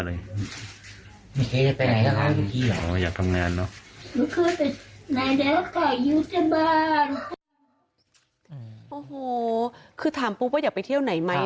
โอ้โหคือถามปุ๊บว่าอยากไปเที่ยวไหนไหม